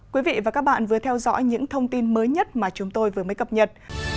quý vị và các bạn vừa theo dõi những thông tin mới nhất mà chúng tôi vừa mới cập nhật